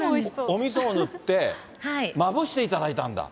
おみそを塗って、まぶしていただいたんだ。